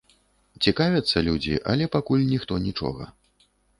Цікавяцца людзі, але пакуль ніхто нічога.